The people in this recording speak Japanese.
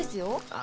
あ。